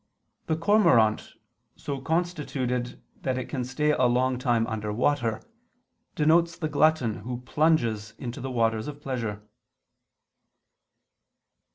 The cormorant, so constituted that it can stay a long time under water, denotes the glutton who plunges into the waters of pleasure.